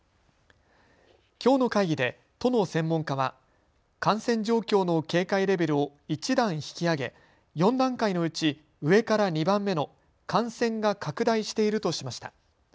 きょうの会議で都の専門家は、感染状況の警戒レベルを１段引き上げ４段階のうち上から２番目の感染が拡大しているとしました。